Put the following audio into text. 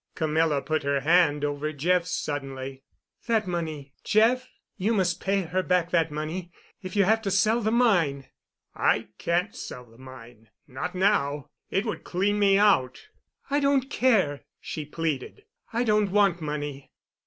Camilla put her hand over Jeff's suddenly. "That money—Jeff—you must pay her back that money—if you have to sell the mine." "I can't sell the mine—not now. It would clean me out." "I don't care," she pleaded. "I don't want money.